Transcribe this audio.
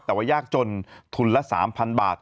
แต่ว่ายากจนทุนละ๓๐๐๐บาท